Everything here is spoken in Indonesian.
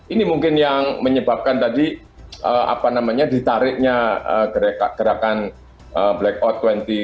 ini mungkin yang menyebabkan tadi ditariknya gerakan blackout dua ribu dua puluh empat